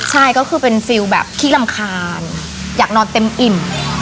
ใช่ก็คือเป็นฟิลแบบขี้รำคาญอยากนอนเต็มอิ่ม